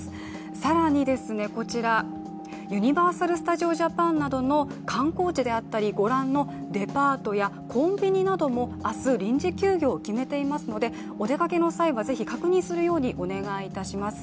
更にこちら、ユニバーサル・スタジオ・ジャパンなどの観光地であったりご覧のデパートやコンビニなども臨時休業を決めていますのでお出かけの際はぜひ確認するようお願いします